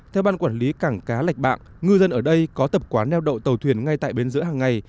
theo ban quản lý cảng cá lạch bạng ngư dân ở đây có tập quán neo đậu tàu thuyền ngay tại bến giữa hàng ngày